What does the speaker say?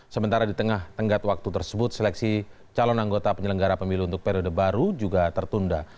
sementara di tengah tenggat waktu tersebut seleksi calon anggota penyelenggara pemilu untuk periode baru juga tertunda